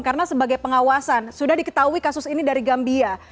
karena sebagai pengawasan sudah diketahui kasus ini dari gambia